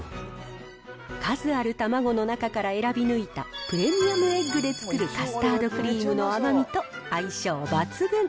数ある卵の中から選び抜いた、プレミアムエッグで作るカスタードクリームの甘みと相性抜群。